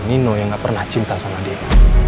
nino yang gak pernah cinta sama dia